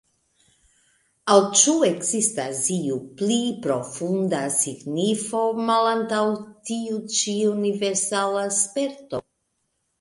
Aŭ ĉu ekzistas iu pli profunda signifo malantaŭ tiu ĉi universala sperto?